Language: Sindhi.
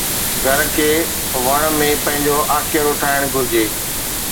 گهر کي وڻ ۾ پنهنجو آکيرو ٺاهڻ گهرجي